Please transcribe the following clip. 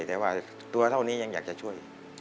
แต่ว่าตัวเท่านี้ยังอยากจะช่วย